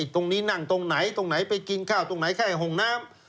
ตรงนี้นั่งตรงไหนตรงไหนไปกินข้าวตรงไหนแค่ห้องน้ำ